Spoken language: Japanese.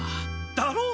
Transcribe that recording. だろう。